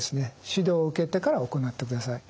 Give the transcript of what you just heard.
指導を受けてから行ってください。